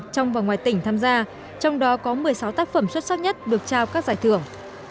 trong và ngoài tỉnh tham gia trong đó có một mươi sáu tác phẩm xuất sắc nhất được trao các giải thưởng